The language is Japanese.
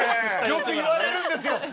よく言われるんですよ。